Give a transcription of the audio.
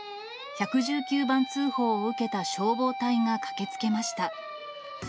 １１９番通報を受けた消防隊が駆けつけました。